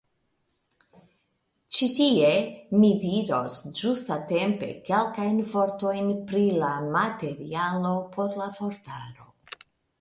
Ĉi tie mi diros ĝustatempe kelkajn vortojn pri la materialo por la vortaro.